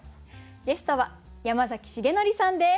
ゲストは山崎樹範さんです。